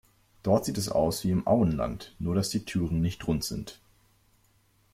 Dort sieht es aus wie im Auenland, nur dass die Türen nicht rund sind.